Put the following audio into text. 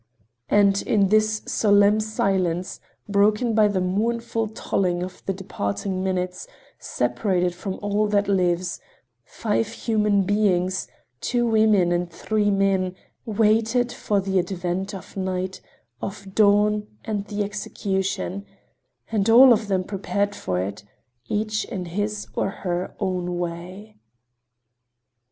And in this solemn silence, broken by the mournful tolling of the departing minutes, separated from all that lives, five human beings, two women and three men, waited for the advent of night, of dawn and the execution, and all of them prepared for it, each in his or her own way.